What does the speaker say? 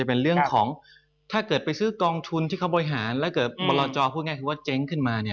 เป็นเรื่องของถ้าเกิดไปซื้อกองทุนที่เขาบริหารแล้วเกิดบรจอพูดง่ายคือว่าเจ๊งขึ้นมาเนี่ย